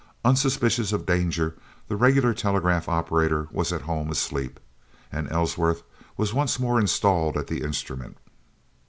Unsuspicious of danger the regular telegraph operator was at home asleep, and Ellsworth was once more installed at the instrument.